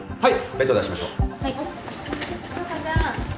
はい。